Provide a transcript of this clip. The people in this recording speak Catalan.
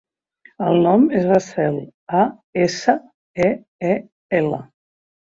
El nom és Aseel: a, essa, e, e, ela.